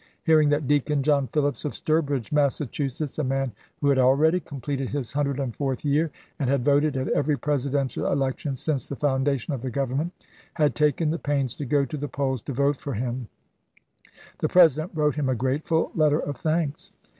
Hearing that Deacon John Phillips of Sturbridge, Massachusetts, a man who had already completed his 104th year, and had voted at every Presidential election since the founda tion of the Government, had taken the pains to go to the polls to vote for him, the President wrote him a grateful letter of thanks.